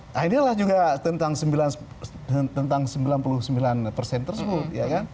nah inilah juga tentang sembilan puluh sembilan persen tersebut